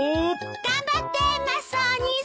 頑張ってマスオお兄さん。